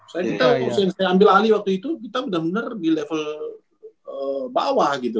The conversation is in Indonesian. saya ambil ahli waktu itu kita benar benar di level bawah gitu